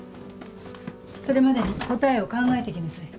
それまでに答えを考えてきなさい。